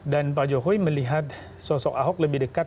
dan pak jokowi melihat sosok ahok lebih dekat